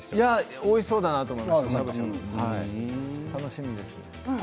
おいしそうだなと思いました、楽しみです。